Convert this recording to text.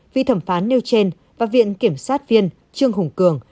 vị thẩm phán nêu trên và viện kiểm sát viên trương hùng cường